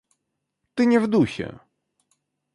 Ты не в духе.